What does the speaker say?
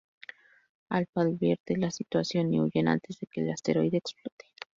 Alpha advierte la situación y huyen antes de que el asteroide explote.